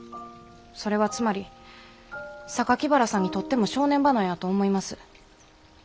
それはつまり原さんにとっても正念場なんやと思います。